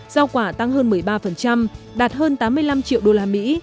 giao quả tăng hơn một mươi ba đạt hơn tám mươi năm triệu usd